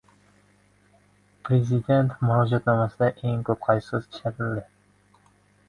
Prezident murojaatnomasida eng ko‘p qaysi so‘z ishlatildi?